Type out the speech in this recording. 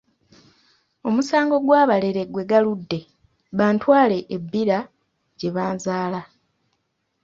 Omusango gw’abalere gwe galudde, bantwale e Bbira gye banzaala.